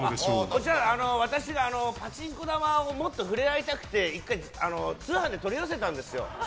こちら、私、パチンコ玉ともっと触れ合いたくて１回、通販で取り寄せたんですよ。